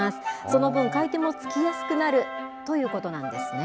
その分、買い手もつきやすくなるということなんですね。